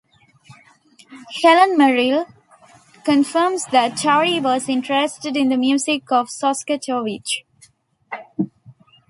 Helen Merrill confirms that Torrie was interested in the music of Shostakovich.